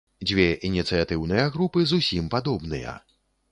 Дзве ініцыятыўныя групы зусім падобныя.